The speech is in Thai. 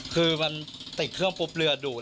คือมันติดเครื่องปุ๊บเรือดูด